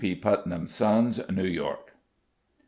P. PUTNAM'S SONS, New York.